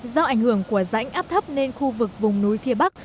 do ảnh hưởng của rãnh áp thấp nên khu vực vùng núi phía bắc